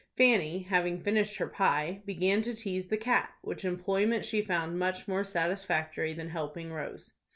Fanny, having finished her pie, began to tease the cat, which employment she found much more satisfactory than helping Rose.